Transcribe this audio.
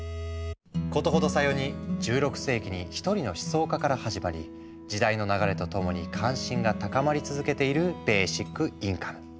ことほどさように１６世紀に一人の思想家から始まり時代の流れとともに関心が高まり続けているベーシックインカム。